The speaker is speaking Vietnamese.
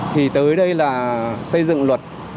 thì tới đây là xây dựng luật